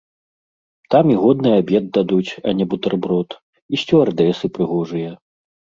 Там і годны абед дадуць, а не бутэрброд, і сцюардэсы прыгожыя.